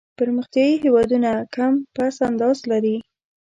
پرمختیایي هېوادونه کم پس انداز لري.